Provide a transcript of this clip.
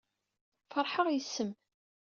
Feṛḥeɣ yes-m.